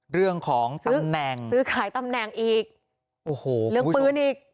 เรื่องของตำแหน่งซื้อขายตำแหน่งอีกโอ้โหเรื่องปืนอีก